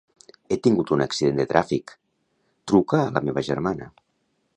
He tingut un accident de tràfic; truca a la meva germana.